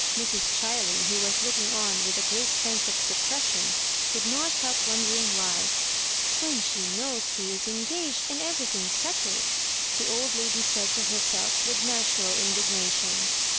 Mrs. Ohiley, who was 'looking on with a great sense of depression, could not help wondering why — "When she knows he is engaged and everything settled," the old lady said to herself, with natural indignation.